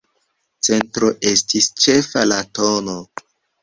Centro estis ĉefa, la tn.